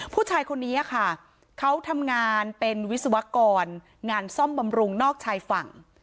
ผู้ชายคนนี้ค่ะเขาทำงานเป็นวิศวกรงานซ่อมบำรุงนอกชายฝั่ง